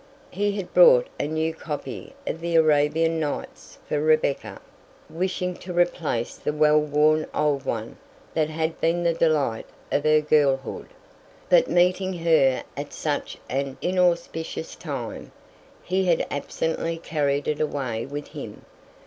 He had brought a new copy of The Arabian Nights for Rebecca, wishing to replace the well worn old one that had been the delight of her girlhood; but meeting her at such an inauspicious time, he had absently carried it away with him.